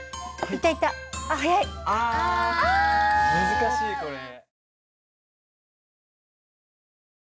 難しいこれ。